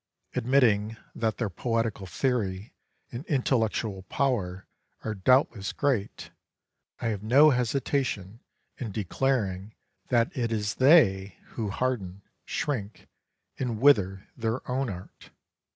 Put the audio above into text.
Admitting that their poetical theory and intellectual power are doubtless great, I have no hesitation in declaring that it is they who harden, shrink, and wither their own art.